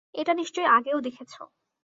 এটা নিশ্চয় আগেও দেখেছো।